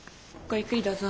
ゆっくりどうぞ。